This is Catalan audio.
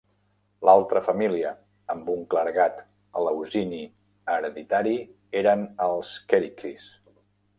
L"altra família amb un clergat Eleusini hereditari eren els Kerykes.